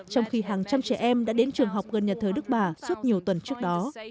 trong khi hàng trăm trẻ em đã đến trường học gần nhà thờ đức bà suốt nhiều tuần trước đó